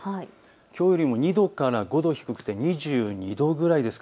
きょうよりも２度から５度低くて２２度ぐらいです。